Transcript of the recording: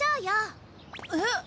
えっ！？